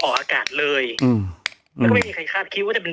ออกอากาศเลยอืมแล้วก็ไม่มีใครคาดคิดว่าจะเป็น